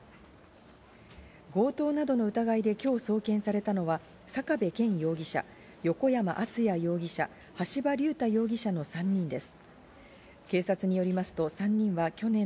強盗などの疑いで今日送検されたのは坂部謙容疑者、横山篤也容疑者、橋場龍太容疑者の３人です。